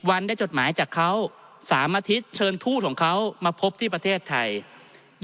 วันได้จดหมายจากเขา๓อาทิตย์เชิญทูตของเขามาพบที่ประเทศไทย